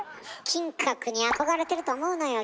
金閣に憧れてると思うのよ